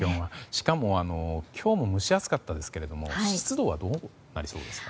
しかも今日も蒸し暑かったですけれども湿度はどうなりそうですか？